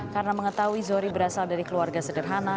karena mengetahui zohri berasal dari keluarga sederhana